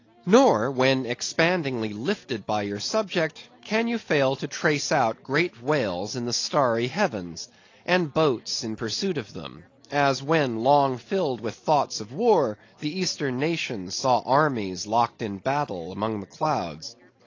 Nor when expandingly lifted by your subject, can you fail to trace out great whales in the starry heavens, and boats in pursuit of them; as when long filled with thoughts of war the Eastern nations saw armies locked in battle among the clouds.